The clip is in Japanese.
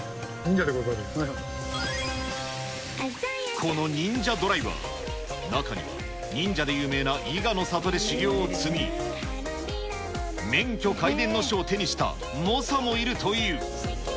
この忍者ドライバー、中には、忍者で有名な伊賀の里で修行を積み、免許皆伝の書を手にした猛者もいるという。